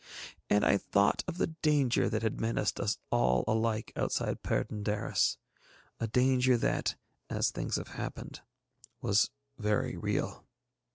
And I thought of the danger that had menaced us all alike outside Perd├│ndaris, a danger that, as things have happened, was very real.